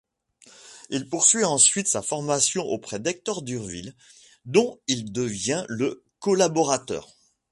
Il poursuit ensuite sa formation auprès d’Hector Durville dont il devient le collaborateur.